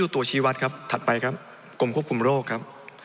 ตัวชีวัตรครับถัดไปครับกรมควบคุมโรคครับ